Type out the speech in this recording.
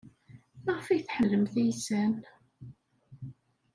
Maɣef ay tḥemmlemt iysan?